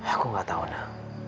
aku gak tahu nak